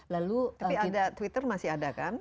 tapi ada twitter masih ada kan